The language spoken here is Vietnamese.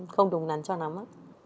không đúng nắn cho nắm á